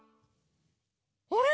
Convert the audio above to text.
あれ？